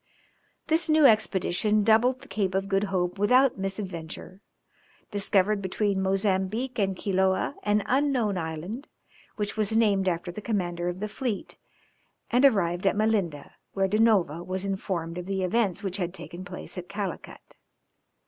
This new expedition doubled the Cape of Good Hope without misadventure, discovered between Mozambique and Quiloa an unknown island, which was named after the commander of the fleet, and arrived at Melinda, where Da Nova was informed of the events which had taken place at Calicut.